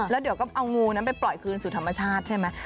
แล้วเดี๋ยวก็เอางูนั้นไปปล่อยคืนสู่ธรรมชาติใช่ไหม